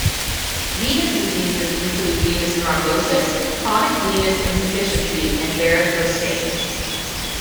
Venous diseases include venous thrombosis, chronic venous insufficiency, and varicose veins.